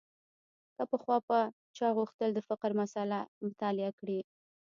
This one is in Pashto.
که پخوا به چا غوښتل د فقر مسأله مطالعه کړي.